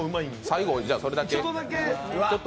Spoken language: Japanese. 最後それだけ。